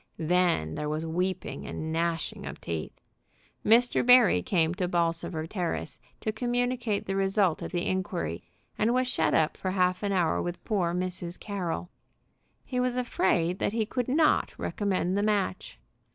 Then there was weeping and gnashing of teeth. Mr. Barry came to Bolsover Terrace to communicate the result of the inquiry, and was shut up for half an hour with poor Mrs. Carroll. He was afraid that he could not recommend the match.